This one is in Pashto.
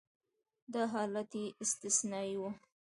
دا حالت یې استثنایي و.